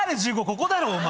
ここだろお前